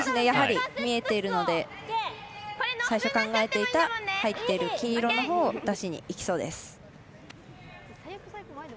やはり見えているので最初、考えていた入っている黄色のほうを出しにいきそうです。